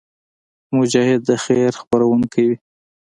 مجاهد د خیر خپرونکی وي.